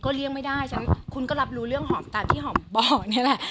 เลี่ยงไม่ได้ฉะนั้นคุณก็รับรู้เรื่องหอมตามที่หอมบอกนี่แหละ